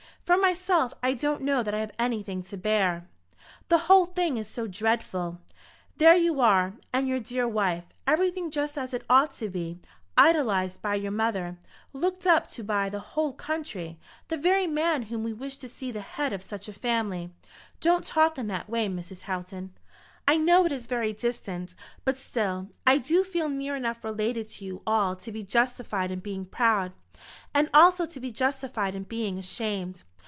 "For myself, I don't know that I have anything to bear." "The whole thing is so dreadful. There are you and your dear wife, everything just as it ought to be, idolized by your mother, looked up to by the whole country, the very man whom we wish to see the head of such a family." "Don't talk in that way, Mrs. Houghton." "I know it is very distant; but still, I do feel near enough related to you all to be justified in being proud, and also to be justified in being ashamed.